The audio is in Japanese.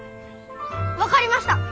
分かりました。